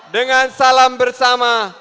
dengan salam bersama